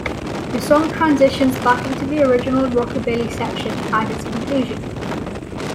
The song transitions back into the original rockabilly section at its conclusion.